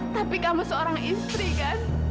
tapi kamu seorang istri kan